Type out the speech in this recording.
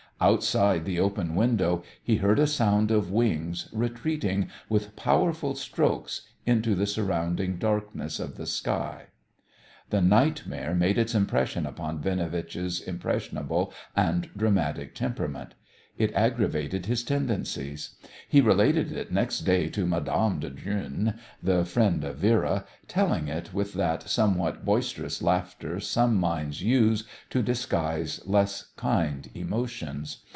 Outside the open window he heard a sound of wings retreating with powerful strokes into the surrounding darkness of the sky. The nightmare made its impression upon Binovitch's impressionable and dramatic temperament. It aggravated his tendencies. He related it next day to Mme. de Drühn, the friend of Vera, telling it with that somewhat boisterous laughter some minds use to disguise less kind emotions.